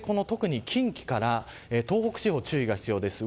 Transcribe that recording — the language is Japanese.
近畿から東北地方注意が必要です。